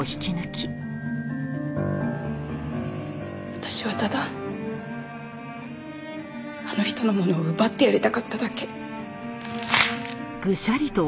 私はただあの人のものを奪ってやりたかっただけ。